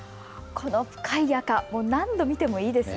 この深い赤、何度見てもいいですね。